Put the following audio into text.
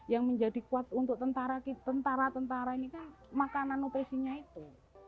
yang menjadi kuat untuk tentara tentara ini kan makanan operasinya itu